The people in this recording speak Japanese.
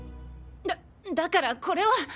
だだからこれは。